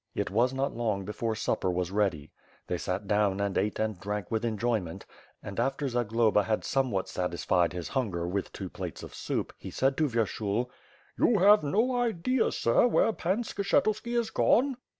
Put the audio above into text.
It was not long before supper was ready. They sat down and ate and drank with enjoyment; and, after Zagloba had somewhat satisfied his hunger, with two plates of soup he said to Vyershul: "You have no idea. Sir, where Pan Skshetuski is gone?"